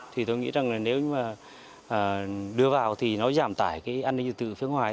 thì tôi nghĩ rằng nếu mà đưa vào thì nó giảm tải cái an ninh dự tự phương ngoài